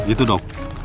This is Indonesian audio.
nah gitu dong